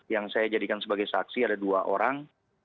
yang saya jadikan sebagai saksi ada dua orang